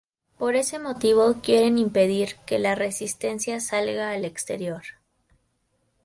Por ese motivo quieren impedir que La Resistencia salga al exterior.